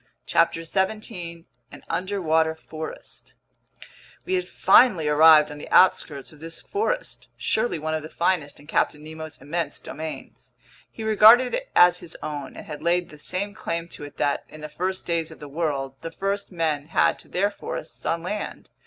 CHAPTER 17 An Underwater Forest WE HAD FINALLY arrived on the outskirts of this forest, surely one of the finest in Captain Nemo's immense domains. He regarded it as his own and had laid the same claim to it that, in the first days of the world, the first men had to their forests on land.